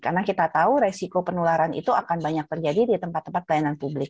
karena kita tahu resiko penularan itu akan banyak terjadi di tempat tempat pelayanan publik